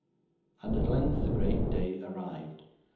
And at length the great day arrived.